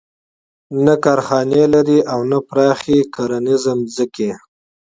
نه صنعت لري او نه پراخې زراعتي ځمکې.